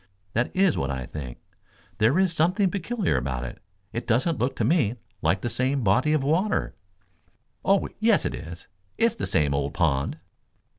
"That is what I think. There is something peculiar about it. It doesn't look to me like the same body of water." "Oh, yes it is. It's the same old pond."